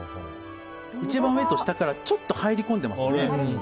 一番上と下からちょっと入り込んでいますよね。